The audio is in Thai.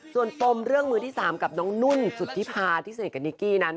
ส่วนปมเรื่องมือที่๓กับน้องนุ่นสุธิพาที่สนิทกับนิกกี้นั้น